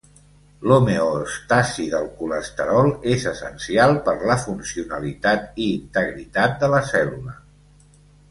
L'homeòstasi del colesterol és essencial per la funcionalitat i integritat de la cèl·lula.